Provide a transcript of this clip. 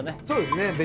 そうですね